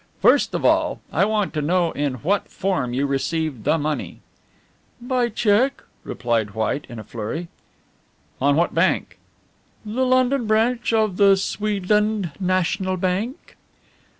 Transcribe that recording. First of all, I want to know in what form you received the money?" "By cheque," replied White in a flurry. "On what bank?" "The London branch of the Swedland National Bank."